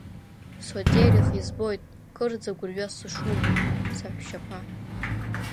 Сотерих избоит кырӡа гәырҩас сышумоу, саҳәшьаԥа…